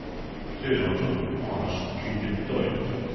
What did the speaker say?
セイナちゃんの話も聞いてみたいですけどね。